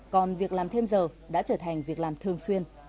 còn việc làm thêm giờ đã trở thành việc làm thường xuyên